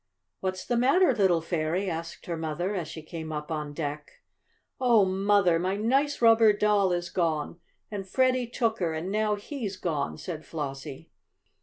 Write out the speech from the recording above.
"What's the matter, little fairy?" asked her mother, as she came up on deck. "Oh, Mother, my nice rubber doll is gone, and Freddie took her and now he's gone," said Flossie.